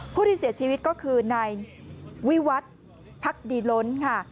ผู้ที่เสียชีวิตก็คือนายวิวัตรพักดีล้นค่ะ